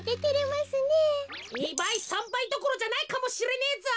２ばい３ばいどころじゃないかもしれねえぞ。